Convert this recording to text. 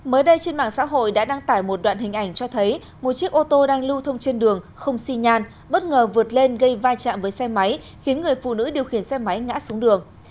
mới đây trên mạng xã hội đã đăng tải một đoạn hình ảnh cho thấy một chiếc ô tô đang lưu thông trên đường không xi nhan bất ngờ vượt lên gây vai trạm với xe máy khiến người phụ nữ điều khiển xe máy ngã xuống đường